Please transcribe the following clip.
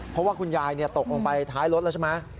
เพราะว่าคุณยายตกลงไปท้ายรถแล้วใช่ไหม